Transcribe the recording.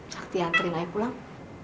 sakti anterin ayah pulang